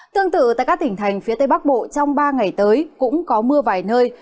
tương tự tại các tỉnh thành phía tây bắc bộ trong ba ngày tới cũng có mưa vài nơi